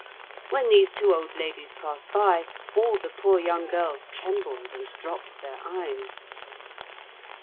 When these two old ladies passed by, all the poor young girls trembled and dropped their eyes.